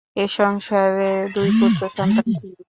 এ সংসারে দুই পুত্র সন্তান ছিল।